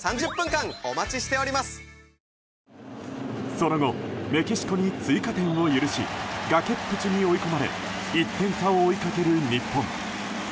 その後メキシコに追加点を許し崖っぷちに追い込まれ１点差を追いかける日本。